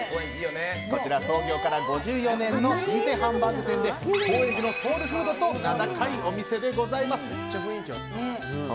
創業から５４年の老舗ハンバーグ店で高円寺のソウルフードと名高いお店でございます。